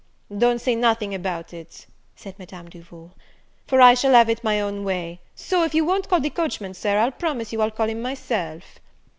"Don't say nothing about it," said Madam Duval, "for I shall have it my own way: so, if you won't call the coachman, Sir, I'll promise you I'll call him myself."